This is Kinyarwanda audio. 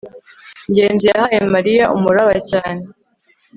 ngenzi yahaye mariya umuraba cyane